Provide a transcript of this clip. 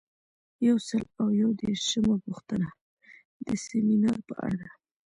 یو سل او یو دیرشمه پوښتنه د سمینار په اړه ده.